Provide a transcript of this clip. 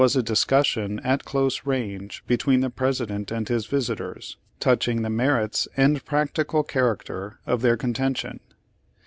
Page Eighty Page Eighty one sion at close range between the President and his visitors, touching the merits and practical char acter of their contention.